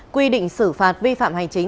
quy định xử phạt vi phạm hành chính